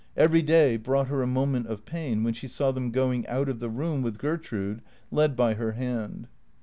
Every day brought her a moment of pain wlien she saw them going out of the room with Gertrude, led by her hand.